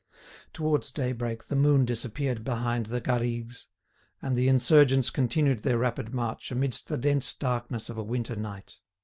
Towards daybreak the moon disappeared behind the Garrigues and the insurgents continued their rapid march amidst the dense darkness of a winter night.